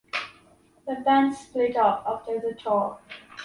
The band split up after the tour.